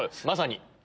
まさに。